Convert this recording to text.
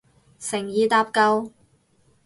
誠意搭救